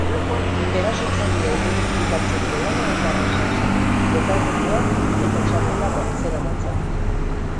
Erasotzailea identifikatzeko lana ez da erraza izango, betaurrekoak eta txapela baitzeramatzan.